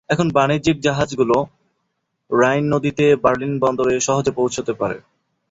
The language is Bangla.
এখন বাণিজ্যিক জাহাজগুলো রাইন নদীতে, বার্লিন বন্দরে সহজে পৌঁছাতে পারে।